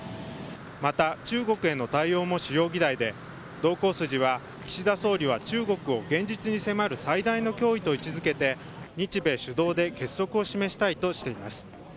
また中国への対応も主要議題で同行筋は岸田総理は中国を現実に迫る最大の脅威と位置付けて日米主導で結束を示したいとしています。